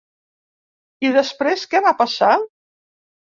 I després què va passar?